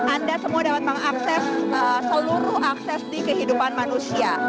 anda semua dapat mengakses seluruh akses di kehidupan manusia